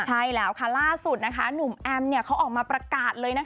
ใช่แล้วล่าสุดหนุ่มแอมม์เขาออกมาประกาศเลย